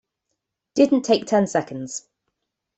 Didn't take ten seconds.